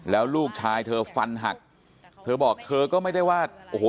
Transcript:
แล้วลูกชายเธอฟันหักเธอบอกเธอก็ไม่ได้ว่าโอ้โห